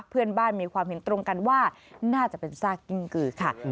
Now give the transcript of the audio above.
เพื่อนบ้านมีความเห็นตรงกันว่าน่าจะเป็นซากกิ้งกือค่ะ